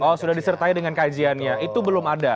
oh sudah disertai dengan kajiannya itu belum ada